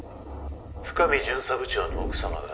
「深海巡査部長の奥様が」